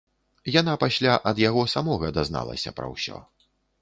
Яна пасля ад яго самога дазналася пра ўсё.